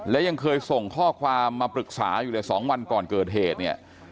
และยังเคยส่งข้อความมาปรึกษาอยู่เลย๒วันก่อนเกิดเหตุเนี่ย